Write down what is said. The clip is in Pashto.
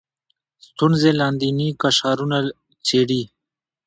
ستونزې لاندیني قشرونه څېړي